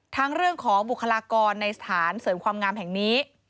เรื่องของบุคลากรในสถานเสริมความงามแห่งนี้